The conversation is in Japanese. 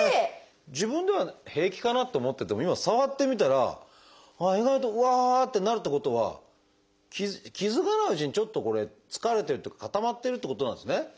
自分では平気かなと思ってても今触ってみたら意外とうわってなるってことは気付かないうちにちょっとこれ疲れてるっていうか固まってるってことなんですね。